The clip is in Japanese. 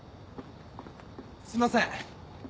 すいません